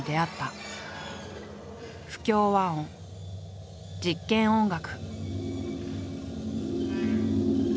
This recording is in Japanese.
不協和音実験音楽。